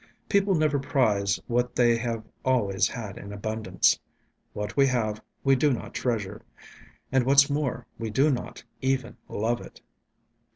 People never prize what they have always had in abundance. "What we have, we do not treasure," and what's more we do not even love it.